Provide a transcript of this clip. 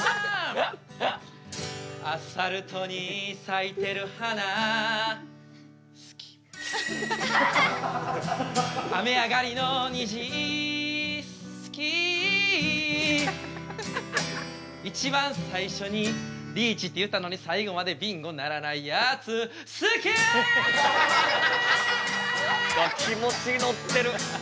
アスファルトに咲いてる花好き雨上がりのにじ好き一番最初にリーチって言ったのに最後までビンゴにならないやつ好きうわ気持ち乗ってる！